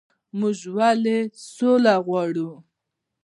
موږ ولې سوله غواړو؟